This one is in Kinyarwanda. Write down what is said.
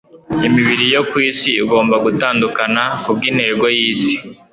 Imibiri yo ku isi igomba gutandukana kubwintego yisi